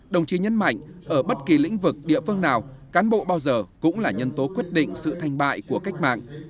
đồng chí nhấn mạnh ở bất kỳ lĩnh vực địa phương nào cán bộ bao giờ cũng là nhân tố quyết định sự thành bại của cách mạng